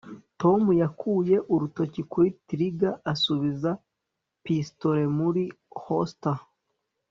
tom yakuye urutoki kuri trigger asubiza pistolet muri holster